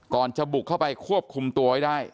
จะบุกเข้าไปควบคุมตัวไว้ได้